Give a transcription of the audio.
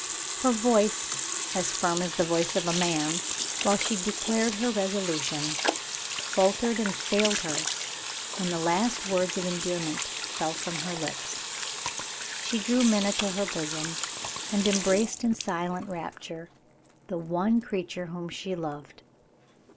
Her voice as firm as the voice of a man, while she declared her resolution faltered and failed her when the last words of endearment fell from her lips. She drew Minna to her bosom, and embraced in silent rapture the one creature whom she loved.